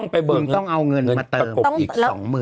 คุณต้องเอาเงินมาเติม